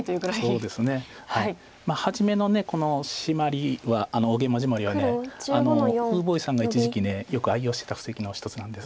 初めのこのシマリは大ゲイマジマリは呉柏毅さんが一時期よく愛用してた布石の一つなんです。